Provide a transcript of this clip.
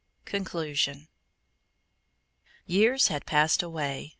CONCLUSION Years had passed away.